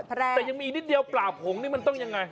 แต่ยังมีนิดเดียวปราบหงษ์ที่มันต้องอย่างไร